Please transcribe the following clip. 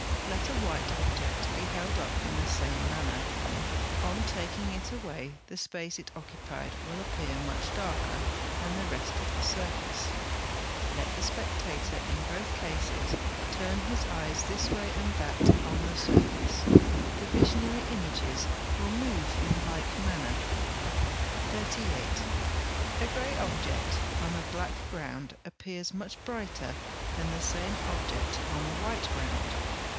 Let a white object be held up in the same manner: on taking it away the space it occupied will appear much darker than the rest of the surface. Let the spectator in both cases turn his eyes this way and that on the surface, the visionary images will move in like manner. 38. A grey object on a black ground appears much brighter than the same object on a white ground.